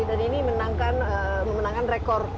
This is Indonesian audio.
dan ini menangkan rekor